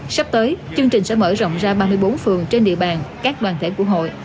sắp tới chương trình sẽ mở rộng ra ba mươi bốn phường trên địa bàn các đoàn thể của hội